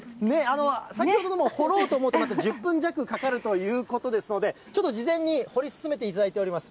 先ほども掘ろうと思って、また１０分弱かかるということですので、ちょっと事前に掘り進めていただいております。